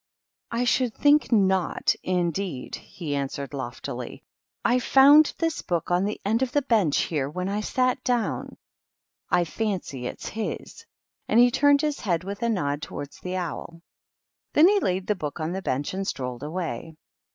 " I should think Twt^ indeed !" he answered, loftily. "I found this book on the end of the 204 THE KINDERGARTEN. bench here when I sat down. I fancy it's his." And he turned his head with a nod towards the owl. Then he laid the book on the bench and strolled away.